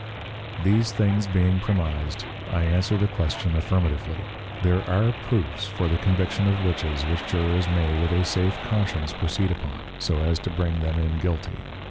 These things being premised, I answer the Question affirmatively; _There are Proofs for the Conviction of Witches which Jurors may with a safe Conscience proceed upon, so as to bring them in guilty.